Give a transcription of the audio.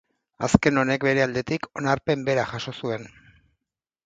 Azken honek, bere aldetik, onarpen bera jaso zuen.